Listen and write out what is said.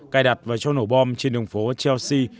cài đặt và cho nổ bom trên đường phố chelsea